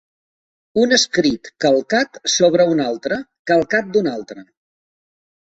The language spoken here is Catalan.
Un escrit calcat sobre un altre, calcat d'un altre.